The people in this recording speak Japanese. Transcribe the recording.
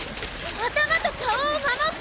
頭と顔を守って！